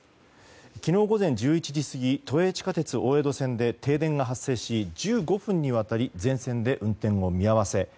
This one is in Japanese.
昨日午前１１時過ぎ都営地下鉄大江戸線で停電が発生し、１５分にわたり全線で運転を見合わせ。